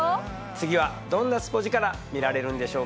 次はどんなスポヂカラ見られるんでしょうか。